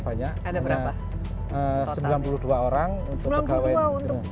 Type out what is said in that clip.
banyak ada berapa totalnya